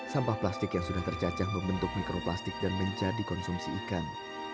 sampah plastik yang sudah tercacah membentuk mikroplastik dan menjadi konsumsi ikan